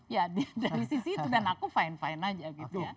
ya dari sisi itu dan aku fine fine aja gitu ya